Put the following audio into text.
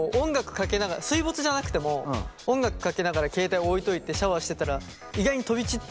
水没じゃなくても音楽かけながら携帯置いといてシャワーしてたら意外に飛び散って。